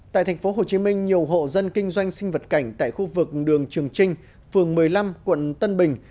tại tp hcm nhiều hộ dân kinh doanh sinh vật cảnh tại khu vực đường trường trinh phường một mươi năm quận tân bình